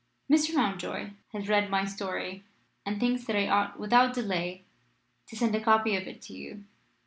Mr. Mountjoy has read my story, and thinks that I ought without delay to send a copy of it to you.